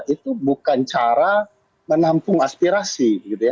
itu bukan cara menampung aspirasi